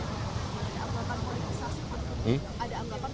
ada anggapan politik saja pak